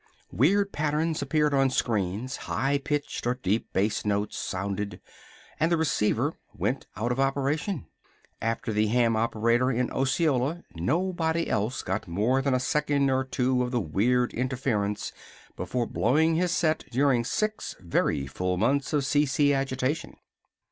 Weird patterns appeared on screens high pitched or deep bass notes sounded and the receiver went out of operation. After the ham operator in Osceola, nobody else got more than a second or two of the weird interference before blowing his set during six very full months of CC agitation.